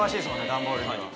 段ボールには。